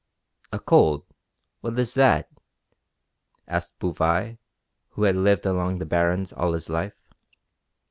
"A cold what is that?" asked Bouvais, who had lived along the Barrens all his life.